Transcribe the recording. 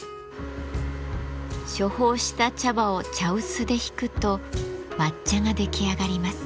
処方した茶葉を茶臼でひくと抹茶が出来上がります。